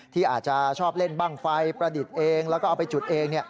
ที่อาจจะชอบเล่นบ้างไฟประดิษฐ์เองแล้วก็เอาไปจุดเอง